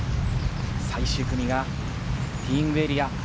最終組がティーイングエリア。